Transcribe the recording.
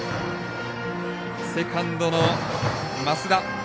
セカンドの増田。